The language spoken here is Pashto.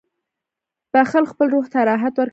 • بخښل خپل روح ته راحت ورکوي.